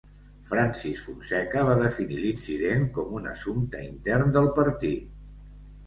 Francis Fonseca va definir l'incident com un assumpte intern del partit.